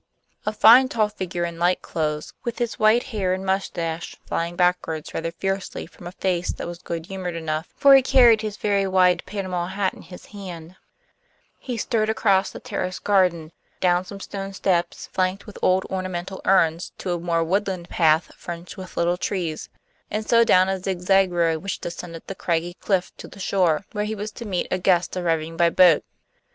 A fine tall figure in light clothes, with his white hair and mustache flying backwards rather fiercely from a face that was good humored enough, for he carried his very wide Panama hat in his hand, he strode across the terraced garden, down some stone steps flanked with old ornamental urns to a more woodland path fringed with little trees, and so down a zigzag road which descended the craggy Cliff to the shore, where he was to meet a guest arriving by boat.